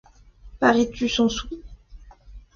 Paries-tu cent sous ?